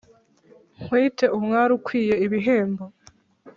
Nkwite umwali ukwiye ibihembo